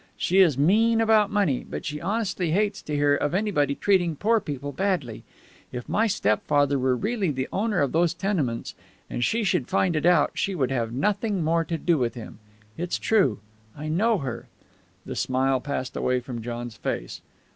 She is mean about money, but she honestly hates to hear of anybody treating poor people badly. If my stepfather were really the owner of those tenements, and she should find it out, she would have nothing more to do with him. It's true. I know her." The smile passed away from John's face.